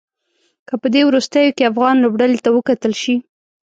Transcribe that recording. که په دې وروستيو کې افغان لوبډلې ته وکتل شي.